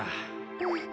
うん。